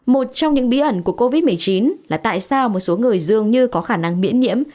một trong những bí ẩn của covid một mươi chín là tại sao một số người dường như có khả năng miễn nhiễm